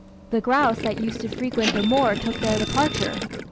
The grouse that used to frequent the moor took their departure.